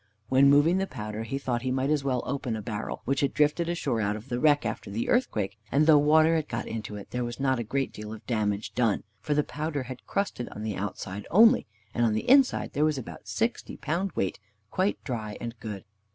When moving the powder, he thought he might as well open a barrel which had drifted ashore out of the wreck 'after the earthquake, and though water had got into it, there was not a great deal of damage done, for the powder had crusted on the outside only, and in the inside there was about sixty pounds weight, quite dry and good.